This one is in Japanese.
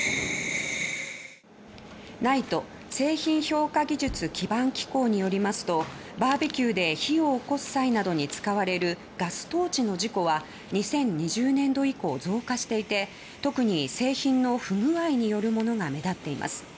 ＮＩＴＥ・製品評価技術基盤機構によりますとバーベキューで火を起こす際などに使われるガストーチの事故は２０２０年度以降増加していて特に製品の不具合によるものが目立っています。